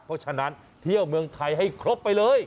เพราะฉะนั้นเที่ยวเมืองไทยให้ครบไปเลย